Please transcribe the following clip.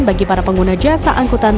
bagi para pengguna jasa angkutan